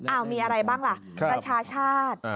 อ้าวมีอะไรบ้างล่ะรัชชาติ